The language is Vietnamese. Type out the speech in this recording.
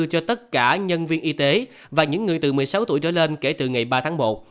cho tất cả nhân viên y tế và những người từ một mươi sáu tuổi trở lên kể từ ngày ba tháng một